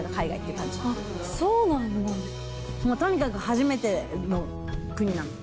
とにかく初めての国なの。